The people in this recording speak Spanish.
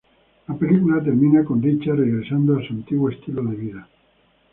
La película termina con Richard regresando a su antiguo estilo de vida.